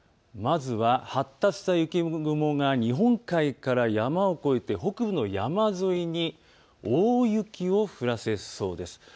まずは発達した雪雲が日本海から山を越えて北部の山沿いに大雪を降らせそうです。